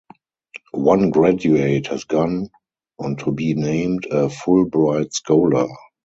One graduate has gone on to be named a Fulbright Scholar.